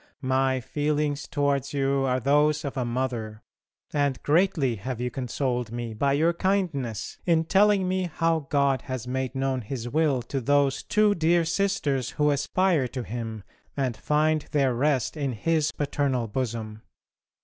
My feelings towards you are those of a mother, and greatly have you consoled me by your kindness in telling me how God has made known His will to those two dear sisters who aspire to Him and find their rest in His paternal bosom.